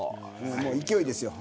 もう勢いですよ。